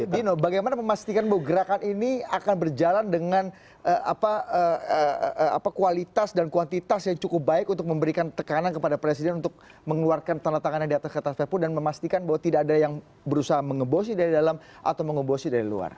dino bagaimana memastikan bahwa gerakan ini akan berjalan dengan kualitas dan kuantitas yang cukup baik untuk memberikan tekanan kepada presiden untuk mengeluarkan tanda tangannya di atas kertas perpu dan memastikan bahwa tidak ada yang berusaha mengebosi dari dalam atau mengebosi dari luar